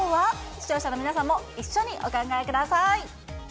視聴者の皆さんも一緒にお考えください。